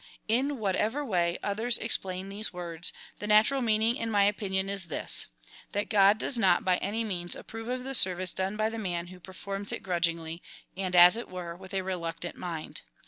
In whatever way others explain these words, the natural meaning, in my opinion, is this — that God does not by any means approve of the service done by the man who per forms it grudgingly, and, as it were, with a reluctant mind.